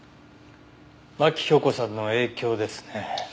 牧京子さんの影響ですね。